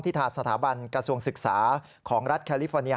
ทางสถาบันกระทรวงศึกษาของรัฐแคลิฟอร์เนีย